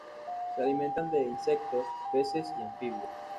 Se alimentan de insectos, peces y anfibios.